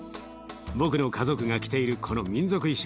僕の家族が着ているこの民族衣装